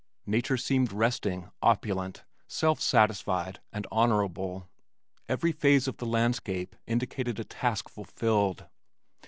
Nature seemed resting, opulent, self satisfied and honorable. Every phase of the landscape indicated a task fulfilled.